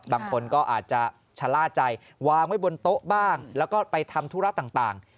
บางคนก็อาจจะชะล่าใจวางไว้บนโต๊ะบ้างแล้วก็ไปทำธุระต่าง